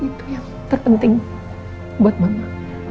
itu yang terpenting buat mama